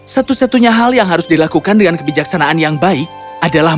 satu satunya hal yang harus dilakukan dengan kebijaksanaan yang baik adalah